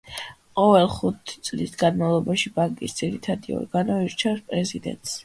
ყოველი ხუთი წლის განმავლობაში ბანკის ძირითადი ორგანო ირჩევს პრეზიდენტს.